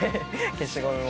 消しゴムを。